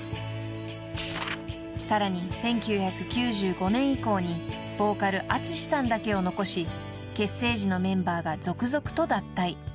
［さらに１９９５年以降にボーカルＡＴＳＵＳＨＩさんだけを残し結成時のメンバーが続々と脱退］